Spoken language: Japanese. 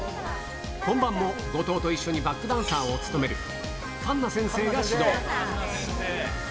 本番も後藤と一緒にバックダンサーを務める、カンナ先生が指導。